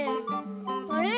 あれ？